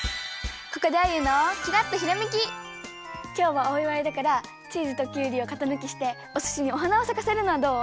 ここできょうはおいわいだからチーズときゅうりをかたぬきしておすしにおはなをさかせるのはどう？